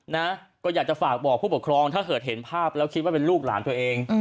นะก็อยากจะฝากบอกผู้ปกครองถ้าเกิดเห็นภาพแล้วคิดว่าเป็นลูกหลานตัวเอง